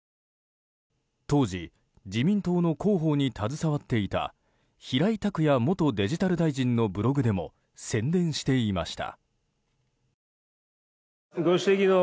当時、自民党の広報に携わっていた平井卓也元デジタル大臣のブログでも宣伝していました。